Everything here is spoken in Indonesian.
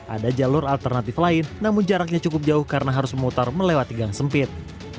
ada jalur alternatif lain namun jaraknya cukup jauh karena harus memutar melewati gang sempit